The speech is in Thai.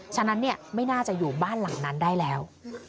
ฉะนั้นไม่น่าจะอยู่บ้านหลังนั้นได้แล้ว